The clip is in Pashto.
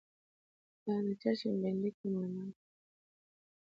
دا د چشم بندۍ کمالات دي.